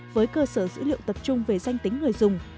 với cơ sở dữ liệu tập trung về danh tính người dùng